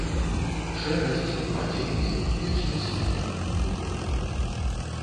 Шэрасць, мадзенне, вечны смутак, нудота.